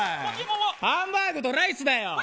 ハンバーグとライスだよ。